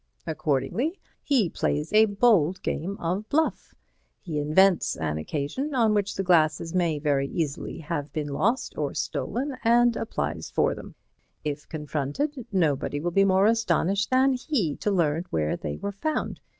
Accordingly, he plays a bold game of bluff. He invents an occasion on which the glasses may very easily have been lost or stolen, and applies for them. If confronted, nobody will be more astonished than he to learn where they were found.